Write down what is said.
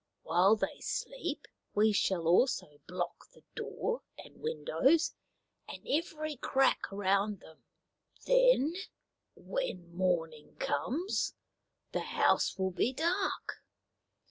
While they sleep we shall also block the door and windows and every crack around them. Then, when morning comes, the house will be dark.